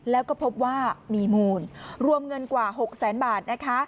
แล้วก็พบว่ามีมูลรวมเงินกว่า๖๐๐๐๐๐บาท